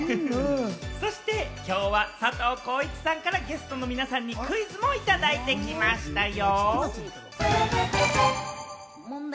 そしてきょうは佐藤浩市さんからゲストの皆さんにクイズもいただいてきましたよ。